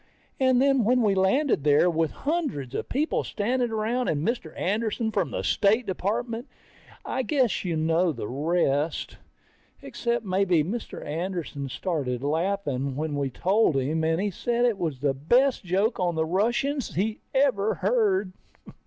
And then when we landed there were hundreds of people standing around, and Mr. Anderson from the State Department. I guess you know the rest. Except maybe Mr. Anderson started laughing when we told him, and he said it was the best joke on the Russians he ever heard.